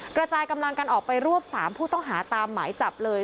กระจายกำลังกันออกไปรวบ๓ผู้ต้องหาตามหมายจับเลย